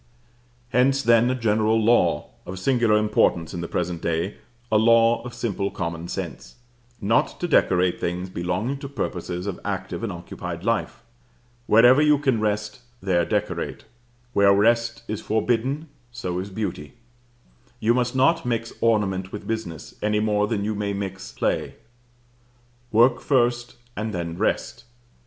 Hence then a general law, of singular importance in the present day, a law of simple common sense, not to decorate things belonging to purposes of active and occupied life. Wherever you can rest, there decorate; where rest is forbidden, so is beauty. You must not mix ornament with business, any more than you may mix play. Work first, and then rest.